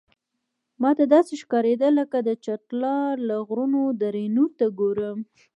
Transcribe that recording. ماته داسې ښکارېدل لکه د چترال له غرونو دره نور ته ګورم.